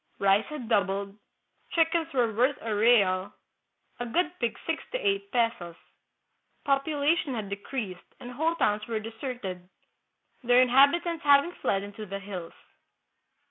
Rice had doubled, chickens were worth a real, a good pig six to eight pesos. Population had decreased, and whole towns were deserted, their in habitants having fled into the hills.